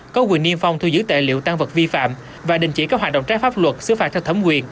có quyền niêm phong thu giữ tài liệu tăng vật vi phạm và đình chỉ các hoạt động trái pháp luật xứ phạt theo thẩm quyền